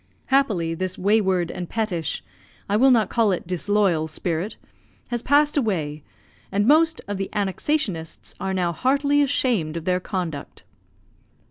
Happily, this wayward and pettish, I will not call it disloyal spirit, has passed away, and most of the "Annexationists" are now heartily ashamed of their conduct.